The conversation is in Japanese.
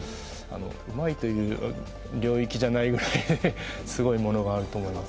うまいという領域じゃないぐらいすごいものがあると思います。